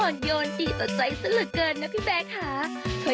โยนดีต่อใจซะเหลือเกินนะพี่แบร์ค่ะ